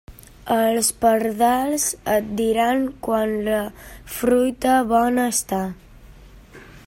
Els pardals et diran quan la fruita bona està.